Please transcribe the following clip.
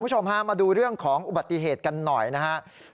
คุณผู้ชมฮะมาดูเรื่องของอุบัติเหตุกันหน่อยนะครับ